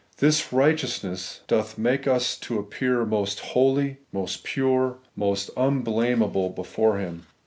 This righteousness doth make us to appear most holy, most pure, most unblameable before Him.'